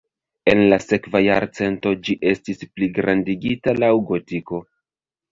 En la sekva jarcento ĝi estis pligrandigita laŭ gotiko.